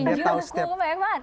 ke shinjuku banyak banget